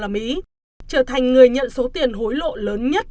và bà quan thanh tra đã nhận số tiền hối lộ lớn nhất